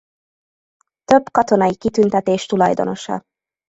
Több katonai kitüntetés tulajdonosa.